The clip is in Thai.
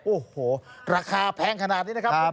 โอ้โหราคาแพงขนาดนี้นะครับผม